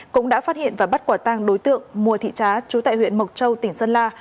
cũng đã phát hiện và bắt quả tang đối tượng mùa thị trá chú tại huyện mộc châu tỉnh sơn la